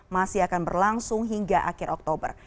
masih akan berlangsung hingga akhir oktober